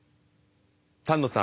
丹野さん